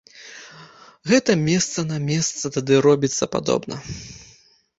Гэта месца на месца тады робіцца падобна.